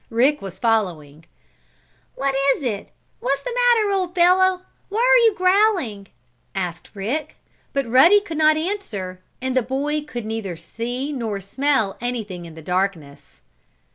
Rick was following. "What is it? What's the matter, old fellow? Why are you growling?" asked Rick, but Ruddy could not answer, and the boy could neither see nor smell anything in the darkness.